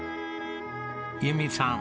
由美さん